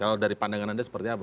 kalau dari pandangan anda seperti apa